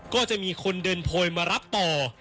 ก็จะมีคนเดินโพยมารับต่อ